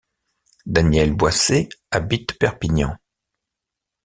Danielle Boissé habite Perpignan.